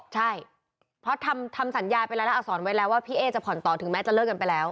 ใช่เพราะทำสัญญาไปแล้วแล้วอักษรไว้แล้วว่าพี่เอ๊จะผ่อนต่อถึงแม้จะเลิกกันไปแล้ว